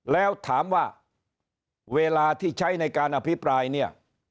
แล้วถามว่าเวลาที่ใช้ในการอภิปรายเนี่ย